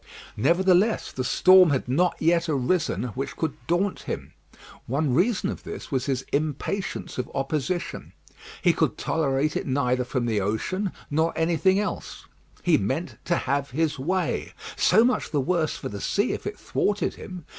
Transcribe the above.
Nevertheless, the storm had never yet arisen which could daunt him. One reason of this was his impatience of opposition. He could tolerate it neither from the ocean nor anything else. He meant to have his way; so much the worse for the sea if it thwarted him.